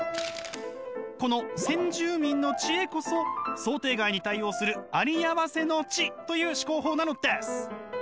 この先住民の知恵こそ想定外に対応するありあわせの知という思考法なのです！